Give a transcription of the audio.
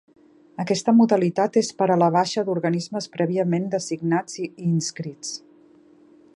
Aquesta modalitat és per a la baixa d'organismes prèviament designats i inscrits.